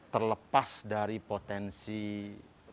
terlepas dari potensi penularan covid sembilan belas